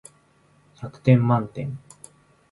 百点満点